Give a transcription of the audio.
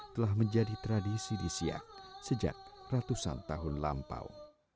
telah menjadi tradisi di siak sejak ratusan tahun lampau